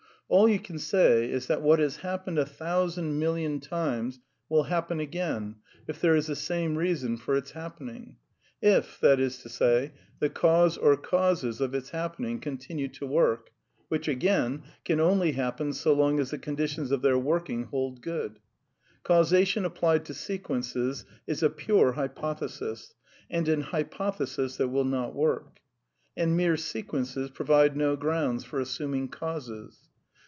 All you can say is that what has happened a thousand million times will happen again if there is the same reason for its happening; if, that is to say, the cause or causes of its happening continue to work ; which, again, can only happen so long as the conditions of their working hold good. A Causation applied to sequences is a pure hypothesis, • and an hypothesis that will not work. And mere sequences provide no grounds for assuming causes.